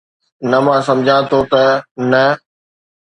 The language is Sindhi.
نه، مان سمجهان ٿو ته نه